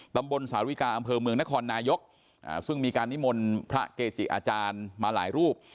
ตำบลสาริกาอำเภอเมืองนครนายกซึ่งมีการนิมนต์พระเกจิอาจารย์มาหลายรูป